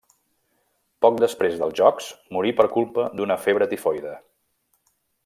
Poc després dels Jocs morí per culpa d'una febre tifoide.